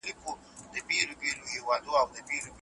لښتې ته پکار ده چې د نغري ایرې له اور څخه جلا کړي.